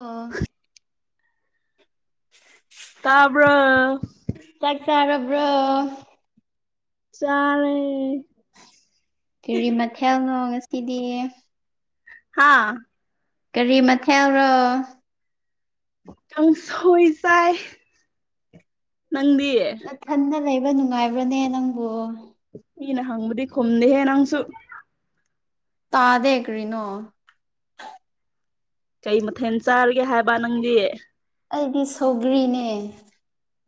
ꯑꯣ ꯇꯥꯕ꯭ꯔꯣ? ꯆꯥꯛ ꯆꯥꯔꯕ꯭ꯔꯣ? ꯆꯥꯔꯦ ꯀꯤꯔꯤ ꯃꯊꯦꯜꯅꯣ ꯉꯁꯤꯗꯤ? ꯍꯥꯥ ꯀꯔꯤ ꯃꯊꯦꯜꯔꯣ? ꯀꯥꯡꯁꯣꯏ ꯆꯥꯏ ꯅꯪꯗꯤ? ꯊꯟꯗ ꯂꯩꯕ ꯅꯨꯡꯉꯥꯏꯕ꯭ꯔꯅꯦ ꯅꯪꯕꯨ? ꯃꯤꯅ ꯍꯪꯕꯗꯤ ꯈꯨꯝꯗꯦꯍꯦ ꯅꯪꯁꯨ꯫ ꯇꯥꯗꯦ ꯀ꯭ꯔꯤꯅꯣ? ꯀꯩ ꯃꯊꯦꯟ ꯆꯥꯔꯤꯒꯦ ꯍꯥꯏꯕ ꯅꯪꯗꯤ? ꯑꯩꯗꯤ ꯁꯧꯒ꯭ꯔꯤꯅꯦ꯫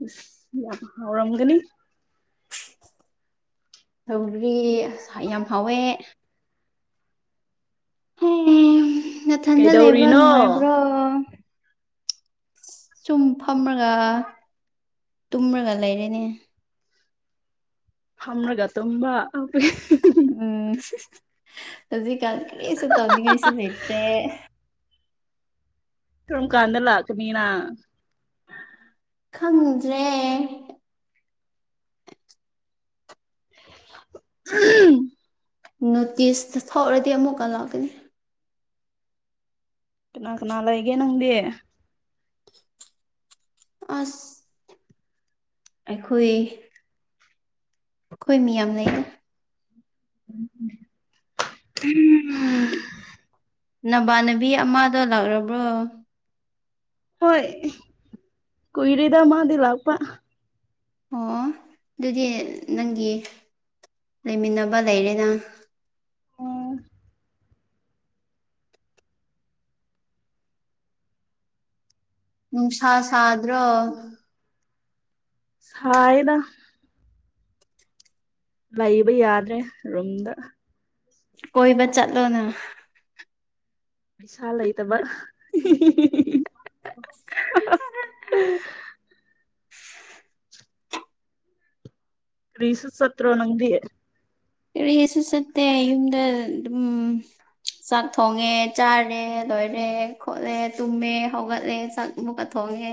ꯑꯁ ꯌꯥꯝ ꯍꯥꯎꯔꯝꯒꯅꯤ꯫ ꯇꯧꯒ꯭ꯔꯤ ꯑꯁ ꯌꯥꯝ ꯍꯥꯎꯋꯦ꯫ ꯍꯦ ꯅꯥꯊꯟꯗ ꯂꯩꯕ ꯀꯩꯗꯧꯔꯤꯅꯣ ꯅꯨꯡꯉꯥꯏꯕ꯭ꯔꯣ? ꯁꯨꯝ ꯐꯝꯔꯒ ꯇꯨꯝꯔꯒ ꯂꯩꯔꯦꯅꯦ꯫ ꯐꯝꯔꯒ ꯇꯨꯝꯕ [unintelligible] ꯎꯝ ꯍꯧꯖꯤꯛꯀꯥꯟ ꯀꯔꯤꯁꯨ ꯇꯧꯅꯤꯡꯉꯥꯏꯁꯨ ꯂꯩꯇ꯭ꯔꯦ꯫ ꯀꯔꯝ ꯀꯥꯟꯗꯤ ꯂꯥꯛꯀꯅꯤ ꯅꯪ? ꯈꯪꯗ꯭ꯔꯦ [unintelligible] ꯅꯣꯇꯤꯁꯇ ꯊꯣꯛꯔꯗꯤ ꯑꯃꯨꯛꯀ ꯂꯥꯛꯀꯅꯤ꯫ ꯀꯅꯥ-ꯀꯅꯥ ꯂꯩꯒꯦ ꯅꯪꯗꯤ? ꯑꯁ ꯑꯩꯈꯣꯏ ꯑꯩꯈꯣꯏ ꯃꯤ ꯌꯥꯝ ꯂꯩꯗ꫰ [unintelligible] [unintelligible] ꯅꯕꯥꯅꯕꯤ ꯑꯃꯗꯣ ꯂꯥꯛꯔꯕ꯭ꯔꯣ? ꯍꯣꯏ ꯀꯨꯏꯔꯦꯗ ꯃꯥꯗꯤ ꯂꯥꯛꯄ꯫ ꯑꯣ ꯑꯗꯨꯗꯤ ꯅꯪꯒꯤ ꯂꯩꯃꯤꯟꯅꯕ ꯂꯩꯔꯦꯅ꯫ ꯎꯝ ꯅꯨꯡꯁꯥ ꯁꯥꯗ꯭ꯔꯣ? ꯁꯥꯏꯗ ꯂꯩꯕ ꯌꯥꯗ꯭ꯔꯦ ꯔꯨꯝꯗ꯫ ꯀꯣꯏꯕ ꯆꯠꯂꯣꯅ꯫ ꯄꯩꯁꯥ ꯂꯩꯇꯕ [unintelligible] [unintelligible] ꯀ꯭ꯔꯤꯁꯨ ꯆꯠꯇ꯭ꯔꯣ ꯅꯪꯗꯤ? ꯀꯔꯤꯁꯨ ꯆꯠꯇꯦ ꯌꯨꯝꯗ ꯑꯗꯨꯝ ꯆꯥꯛ ꯊꯣꯡꯉꯦ ꯆꯥꯔꯦ ꯂꯣꯏꯔꯦ ꯈꯣꯠꯂꯦ ꯇꯨꯝꯃꯦ ꯍꯧꯒꯠꯂꯦ ꯆꯥꯛ ꯑꯃꯨꯛꯀ ꯊꯣꯡꯉꯦ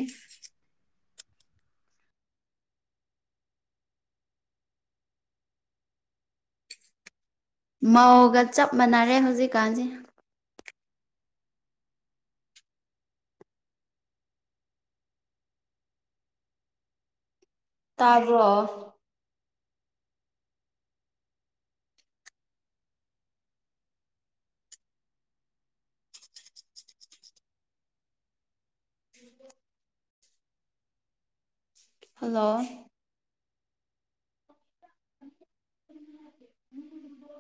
ꯃꯧꯒ ꯆꯞ ꯃꯥꯟꯅꯔꯦ ꯍꯧꯖꯤꯛꯀꯥꯟꯖꯦ ꯫ ꯇꯥꯕ꯭ꯔꯣ [inaudible] ꯍꯜꯂꯣ [unintelligible]